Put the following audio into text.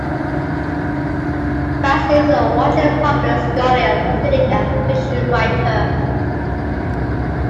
Krasny is a widely published scholar, critic and fiction writer.